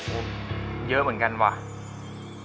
ชื่อฟอยแต่ไม่ใช่แฟง